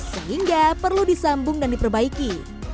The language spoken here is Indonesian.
sehingga perlu disambung dan diperbaiki